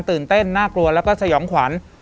ตื่นเต้นน่ากลัวแล้วก็สยองขวัญ